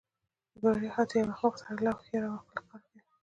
بریا حتی یو احمق سړی لا هوښیار او عاقل ښکاره کوي.